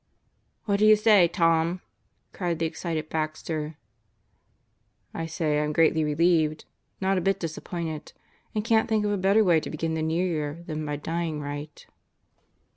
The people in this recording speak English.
"What do you say, Tom?" cried the excited Baxter. "I say I'm greatly relieved. Not a bit disappointed. And can't think of a better way to begin the New Year than by dying right."